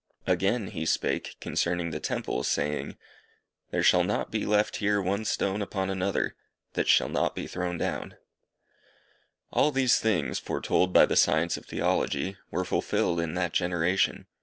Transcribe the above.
Again he spake, concerning the Temple, saying "There shall net be left here one stone upon another, that shall not be thrown down." All these things, foretold by the science of Theology, were fulfilled in that generation.